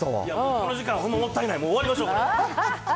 この時間、ほんまもったいない、もう終わりましょう、これ。